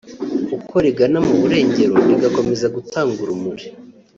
uko rigana mu burengero rigakomeza gutanga urumuri